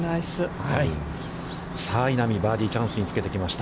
さあ稲見、バーディーチャンスにつけてきました。